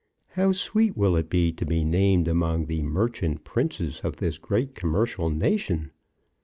How sweet will it be to be named among the Merchant Princes of this great commercial nation!"